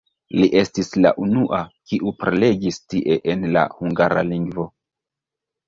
Li estis la unua, kiu prelegis tie en la hungara lingvo.